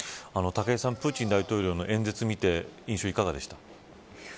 武井さん、プーチン大統領の演説を見て印象、いかがですか。